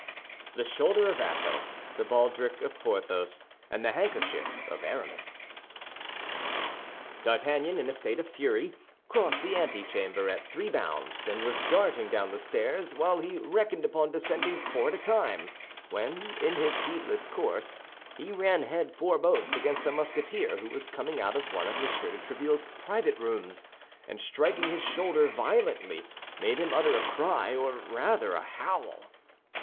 THE SHOULDER OF ATHOS, THE BALDRIC OF PORTHOS AND THE HANDKERCHIEF OF ARAMIS D'Artagnan, in a state of fury, crossed the antechamber at three bounds, and was darting toward the stairs, which he reckoned upon descending four at a time, when, in his heedless course, he ran head foremost against a Musketeer who was coming out of one of M. de Tréville's private rooms, and striking his shoulder violently, made him utter a cry, or rather a howl.